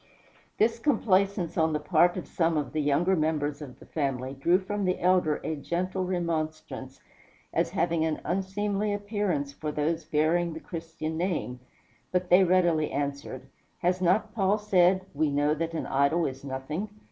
This complaisance on the part of some of the younger members of the family drew from the elder a gentle remonstrance, as having an unseemly appearance for those bearing the Christian name; but they readily answered, "Has not Paul said, 'We know that an idol is nothing'?